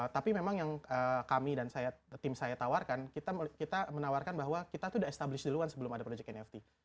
tapi memang yang kami dan tim saya tawarkan kita menawarkan bahwa kita tuh udah established duluan sebelum ada project nft